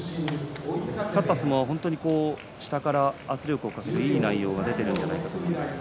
勝った相撲は本当に下から圧力をかけていい内容が出ているんじゃないかと思います。